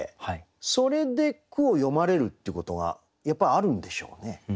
それで句を詠まれるっていうことがやっぱりあるんでしょうね？